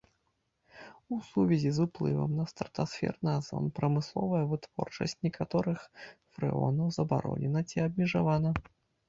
У сувязі з уплывам на стратасферны азон прамысловая вытворчасць некаторых фрэонаў забаронена ці абмежавана.